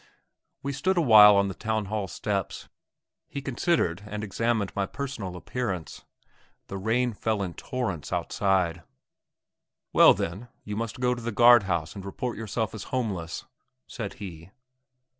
We stood a while on the Town Hall steps. He considered and examined my personal appearance. The rain fell in torrents outside. "Well then, you must go to the guard house and report yourself as homeless!" said he.